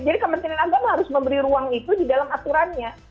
jadi kementerian agama harus memberi ruang itu di dalam aturannya